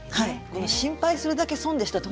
心配するだけ損でしたと。